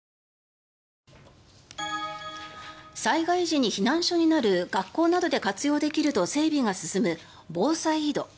災害時に避難所になる学校などで活用できると整備が進む防災井戸。